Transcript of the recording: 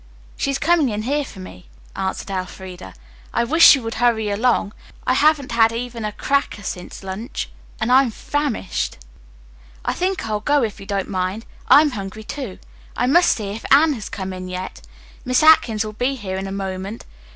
"She is coming in here for me," answered Elfreda. "I wish she would hurry along. I haven't had even a cracker to eat since luncheon and I'm famished." "I think I'll go if you don't mind. I'm hungry, too. I must see if Anne has come in yet. Miss Atkins will be here in a moment.